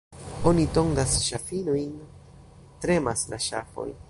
Oni tondas ŝafinojn, — tremas la ŝafoj.